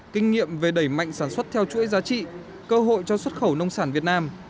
kinh nghiệm về đẩy mạnh sản xuất theo chuỗi giá trị cơ hội cho xuất khẩu nông sản việt nam